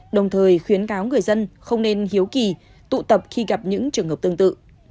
đồng thời khuyến cáo người dân không nên hiếu kỳ tụ tập khi gặp những trường hợp tương tự